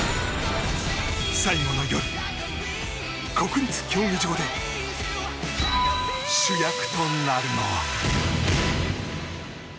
最後の夜、国立競技場で主役となるのは。